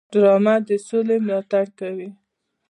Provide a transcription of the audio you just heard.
ډرامه د سولې ملاتړ کوي